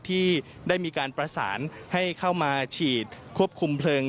ที่ได้มีการประสานให้เข้ามาฉีดควบคุมเพลิง